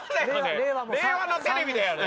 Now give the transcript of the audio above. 令和のテレビだよね？